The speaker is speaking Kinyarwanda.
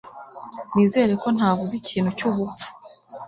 Nizere ko ntavuze ikintu cyubupfu